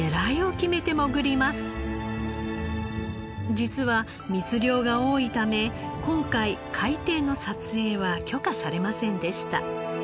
実は密漁が多いため今回海底の撮影は許可されませんでした。